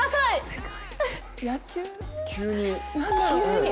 正解！